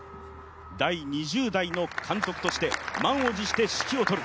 第２０代の監督として、満を持して指揮を執る。